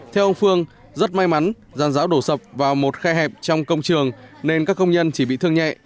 theo ông phương rất may mắn giàn giáo đổ sập vào một khe hẹp trong công trường nên các công nhân chỉ bị thương nhẹ